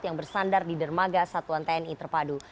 yang bersandar di dermaga satuan tni terpadu